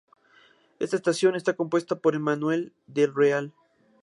Esta canción está compuesta por Emmanuel del Real.